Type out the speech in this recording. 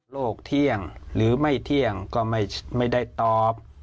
เที่ยงหรือไม่เที่ยงก็ไม่ได้ตอบ